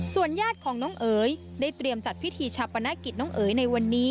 ญาติของน้องเอ๋ยได้เตรียมจัดพิธีชาปนกิจน้องเอ๋ยในวันนี้